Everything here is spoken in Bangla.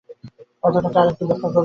কথাটাকে আর-একটু ব্যাখ্যা করুন।